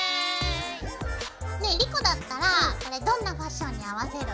ねえ莉子だったらこれどんなファッションに合わせる？